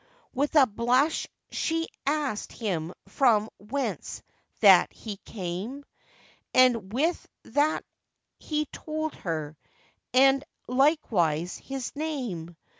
With a blush she asked him from whence that he came; And with that he told her, and likewise his name.